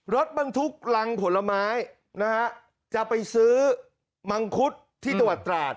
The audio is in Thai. รถบรรทุกรังผลไม้นะฮะจะไปซื้อมังคุดที่จังหวัดตราด